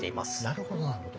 なるほどなるほど。